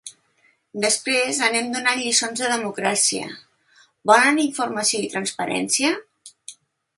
Després anem donant lliçons de democràcia…, volen informació i transparència?